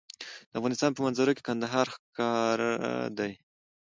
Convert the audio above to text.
د افغانستان په منظره کې کندهار ښکاره دی.